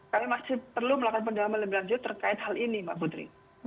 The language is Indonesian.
kami masih perlu melakukan pendalaman lebih lanjut terkait hal ini mbak putri